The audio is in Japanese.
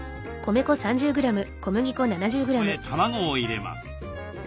そこへ卵を入れます。